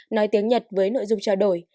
nói tiếng nhật với nội dung trao đổi